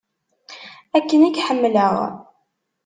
Akken i k-ḥemmleɣ.